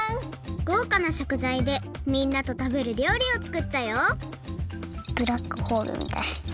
ごうかなしょくざいでみんなとたべるりょうりをつくったよブラックホールみたい。